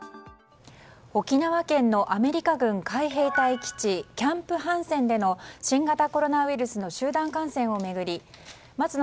沖縄県のアメリカ軍海兵隊基地キャンプ・ハンセンでの新型コロナウイルスの集団感染を巡り松野